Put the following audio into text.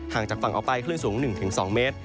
จากฝั่งออกไปคลื่นสูง๑๒เมตร